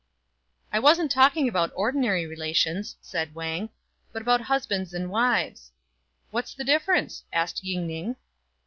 " I wasn't talking about ordinary relations," said Wang, "but about husbands and wives." "What's the difference?" asked Ying ning.